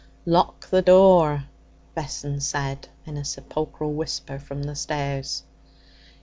'Lock the door!' Vessons said in a sepulchral whisper from the stairs.